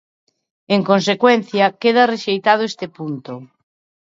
En consecuencia, queda rexeitado ese punto.